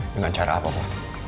dengan cara apa papa